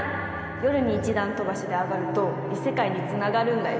夜に１段飛ばしで上がると異世界につながるんだよ。